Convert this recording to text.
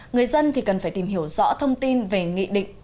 người dân thì cần phải tìm hiểu rõ thông tin về nghị định